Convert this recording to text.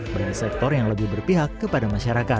bagi sektor yang lebih berpihak kepada masyarakat